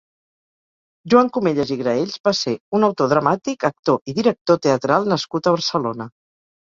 Joan Cumellas i Graells va ser un autor dramàtic, actor i director teatral nascut a Barcelona.